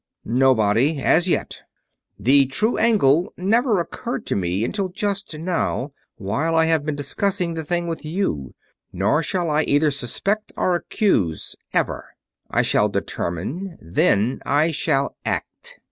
"Nobody, as yet. The true angle never occurred to me until just now, while I have been discussing the thing with you. Nor shall I either suspect or accuse, ever. I shall determine, then I shall act."